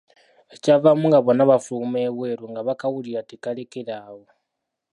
Ekyavaamu nga bonna bafuluma ebweru nga bakawulira tekalekera awo.